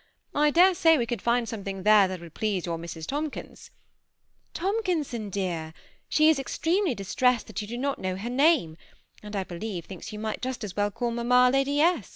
I dare say we could find something there that mid please your Mrs, Tomkina" " ToifikinsoD, dear ; she is extremely distressed that u do not know ber name, and I believe thinks yoti gbt just as well call mamma Lady Esk."